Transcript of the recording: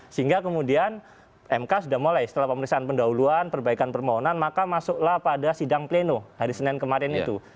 sehingga kemudian mk sudah mulai setelah pemeriksaan pendahuluan perbaikan permohonan maka masuklah pada sidang pleno hari senin kemarin itu